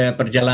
pak menteri ada